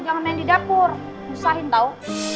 jangan main di dapur usahin tau